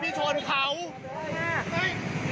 พี่ใจเย็นพี่ใจเย็น